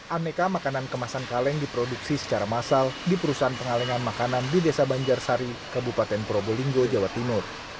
aneka makanan kemasan kaleng diproduksi secara massal di perusahaan pengalengan makanan di desa banjarsari kabupaten probolinggo jawa timur